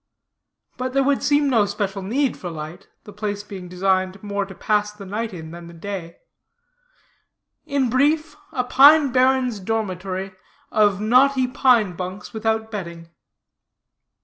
But there would seem no special need for light, the place being designed more to pass the night in, than the day; in brief, a pine barrens dormitory, of knotty pine bunks, without bedding.